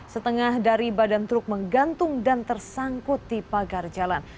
setengah dari badan truk menggantung dan tersangkut di pagar jalan